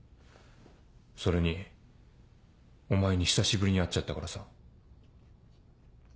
それにお前に久しぶりに会っちゃったからさ。